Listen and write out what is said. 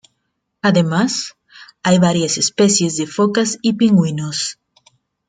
Además, hay varias especies de focas y pingüinos.